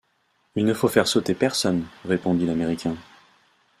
Il ne faut faire sauter personne, répondit l’Américain.